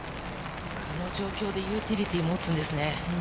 あの状況でユーティリティーを持つんですね。